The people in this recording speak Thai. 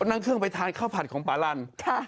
นั่งเครื่องไปทานข้าวผัดของปาลัน